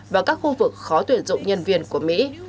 và các khu vực khó tuyển dụng nhân viên của mỹ